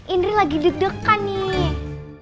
indri lagi deg degan nih